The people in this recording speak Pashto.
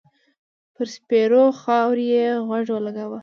پر سپېرو خاور يې غوږ و لګاوه.